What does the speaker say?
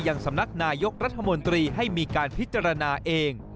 ยังสำนักนายกรัฐมนตรีให้มีการพิจารณาเอง